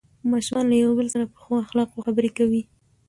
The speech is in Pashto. ماشومان له یو بل سره په ښو اخلاقو خبرې کوي